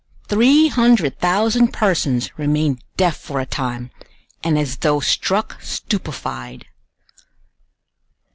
Three hundred thousand persons remained deaf for a time, and as though struck stupefied.